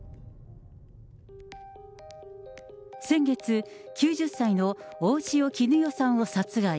先月、９０歳の大塩衣与さんを殺害。